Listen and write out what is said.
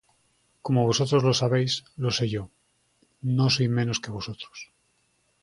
Como vosotros lo sabéis, lo sé yo; No soy menos que vosotros.